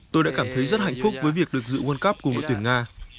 tôi đã cảm thấy rất hạnh phúc với việc được giữ world cup cùng đội tuyển nga